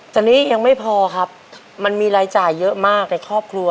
ตอนนี้ยังไม่พอครับมันมีรายจ่ายเยอะมากในครอบครัว